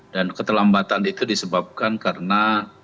dan keterlambatan itu disebabkan karena